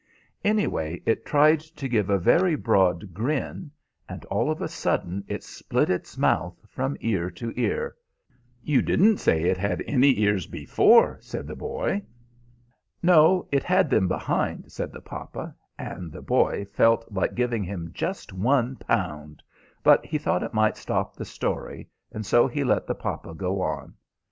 Anyway, it tried to give a very broad grin, and all of a sudden it split its mouth from ear to ear." [Illustration: "'MY SAKES! IT'S COMIN' TO LIFE!'"] "You didn't say it had any ears before," said the boy. "No; it had them behind," said the papa; and the boy felt like giving him just one pound; but he thought it might stop the story, and so he let the papa go on.